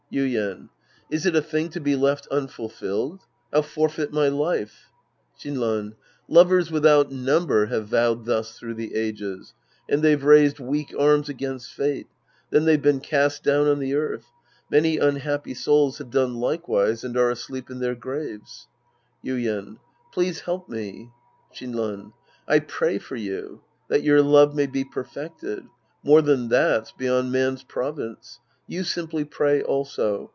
Yiden. Is it a thing to be left unfulfilled ? I'll forfeit my life. Shinran. Lovers without number have vowed thus through the ages. And they've raised weak arms against fate. Then they've been cast down on the earth. Many unhappy souls have done likewise and are asleep in their graves. Yiiien. Please help me. Shinran. I pray for you. That your love may be perfected. More than that's beyond man's prov ince. You simply pray, also.